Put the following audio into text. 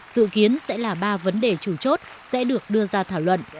dự kiến sẽ là ba vấn đề chủ chốt sẽ được đưa ra thảo luận